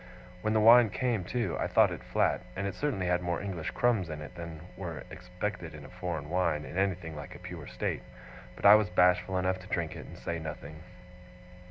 When the wine came, too, I thought it flat; and it certainly had more English crumbs in it, than were to be expected in a foreign wine in anything like a pure state, but I was bashful enough to drink it, and say nothing.